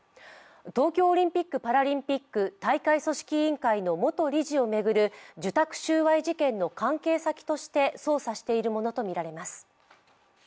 東京オリンピック・パラリンピック大会組織委員会の元理事を巡る受託収賄事件の関係先として捜査しているものとみられます。